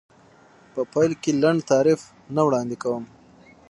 په پیل کې لنډ تعریف نه وړاندې کوم.